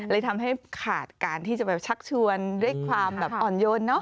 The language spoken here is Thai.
เลยทำให้ขาดการที่จะชักชวนได้ความอ่อนโยน